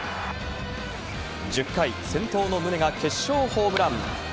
１０回、先頭の宗が決勝ホームラン。